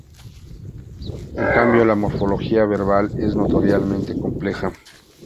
En cambio la morfología verbal es notoriamente compleja.